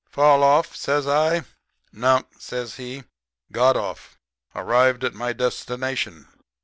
"'Fall off?' says I. "'Nunk,' says he. 'Got off. Arrived at my destination.